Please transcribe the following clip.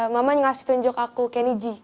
mama ngasih tunjuk aku kenny g